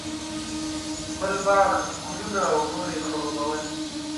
بل باغ، ګلونه او نور یې خړوبول.